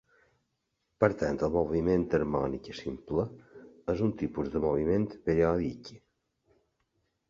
Per tant, el moviment harmònic simple és un tipus de moviment periòdic.